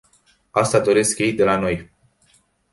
Asta doresc ei de la noi.